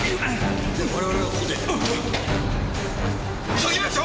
急ぎましょう！